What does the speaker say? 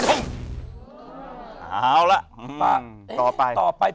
เอาล่ะต่อไป